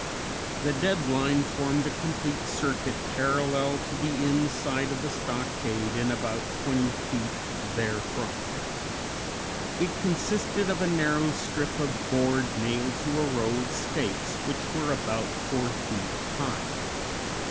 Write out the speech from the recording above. The "dead line" formed a complete circuit parallel to the inside of the stockade and about twenty feet therefrom. It consisted of a narrow strip of board nailed to a row of stakes, which were about four feet high.